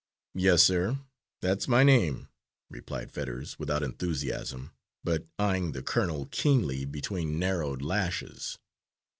"Yes, sir, that's my name," replied Fetters without enthusiasm, but eyeing the colonel keenly between narrowed lashes.